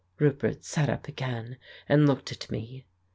Roupert sat up again and looked at me.